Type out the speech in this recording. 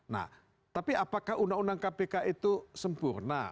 nah tapi apakah undang undang kpk itu sempurna